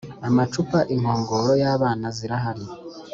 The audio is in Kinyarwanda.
Amacupa inkongoro y abana zirahari